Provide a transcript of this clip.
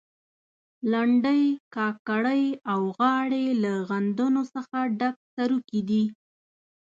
لنډۍ، کاکړۍ او غاړې له غندنو څخه ډک سروکي دي.